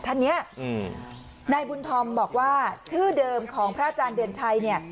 ท่านเนี้ยอืมนายบุญธอมบอกว่าชื่อเดิมของพระอาจารย์เดือนชัยเนี่ย